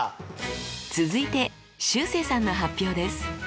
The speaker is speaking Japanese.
続いてしゅうせいさんの発表です。